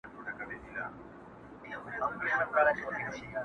یا درویش سي یا سایل سي یاکاروان سي،